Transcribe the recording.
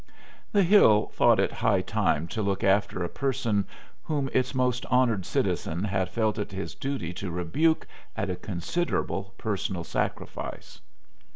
The Hill thought it high time to look after a person whom its most honored citizen had felt it his duty to rebuke at a considerable personal sacrifice.